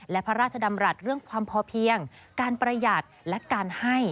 และพระราชดำรัฐเรื่องความพอเพียงการประหยัดและการให้